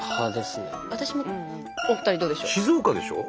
お二人どうでしょう？